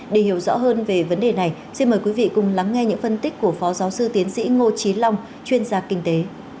để hiểu rõ hơn về vấn đề này xin mời quý vị cùng lắng nghe những phân tích của phó giáo sư tiến sĩ ngô trí long chuyên gia kinh tế